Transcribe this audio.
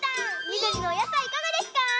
みどりのおやさいいかがですか？